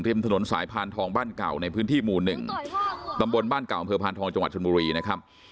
ถนนสายพานทองบ้านเก่าในพื้นที่หมู่๑ตำบลบ้านเก่าอำเภอพานทองจังหวัดชนบุรีนะครับ